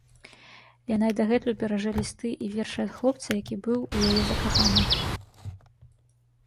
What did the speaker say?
Яна і дагэтуль беражэ лісты і вершы ад хлопца, які быў у яе закаханы.